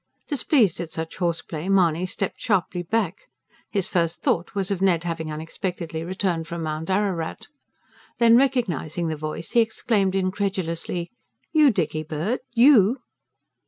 Displeased at such horseplay, Mahony stepped sharply back his first thought was of Ned having unexpectedly returned from Mount Ararat. Then recognising the voice, he exclaimed incredulously: "YOU, Dickybird? You!"